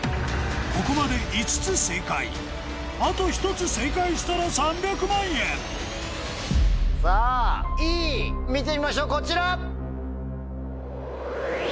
ここまで５つ正解あと１つ正解したら３００万円さぁＥ見てみましょうこちら！